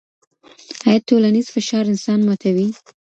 آيا ټولنيز فشار انسان ماتوي؟